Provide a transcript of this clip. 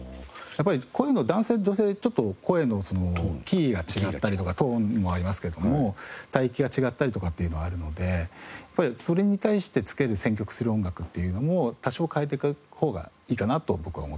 やっぱりこういうのは男性と女性で声のキーが違ったりとかトーンもありますけれども体形が違ったりとかというのもあるのでそれに対してつける選曲する音楽っていうのも多少変えていく方がいいかなと僕は思っていますね。